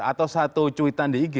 atau satu cuitan di ig